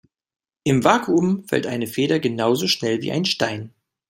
Im Vakuum fällt eine Feder genauso schnell wie ein Stein.